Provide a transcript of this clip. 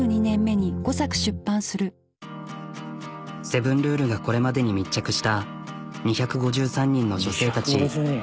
「セブンルール」がこれまでに密着した２５３人の女性たち。